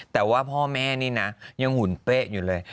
แต่ว่าพ่อแม่นี่นะยังหุ่นเป๊ะอยู่เลย